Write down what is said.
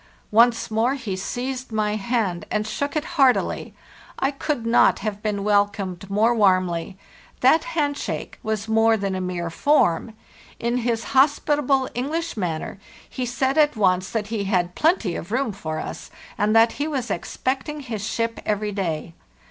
"Once more he seized my hand and shook it heartily. I could not have been welcomed more warmly ; that hand shake was more than a mere form. In his hospitable English manner, he said at once that he had 'plenty of room' for us, and that he was expecting his ship every day.